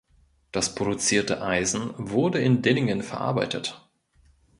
Das produzierte Eisen wurde in Dillingen verarbeitet.